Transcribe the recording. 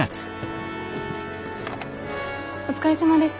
お疲れさまです。